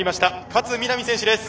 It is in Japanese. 勝みなみ選手です。